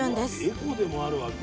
エコでもあるわけ？